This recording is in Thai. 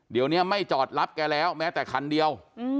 เดี๋ยวนี้ไม่จอดรับแกแล้วแม้แต่คันเดียว